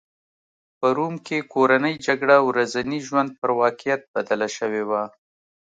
په روم کې کورنۍ جګړه ورځني ژوند پر واقعیت بدله شوې وه